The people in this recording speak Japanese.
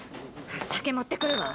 酒持ってくるわ。